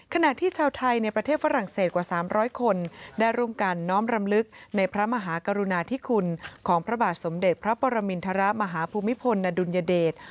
ขณะที่ชาวไทยในประเทศฝรั่งเศสกว่า๓๐๐คนได้ร่วมกันน้อมรำลึกในพระมหากรุณาธิคุณของพระบาทสมเด็จพระปรมินทรมาฮภูมิพลอดุลยเดช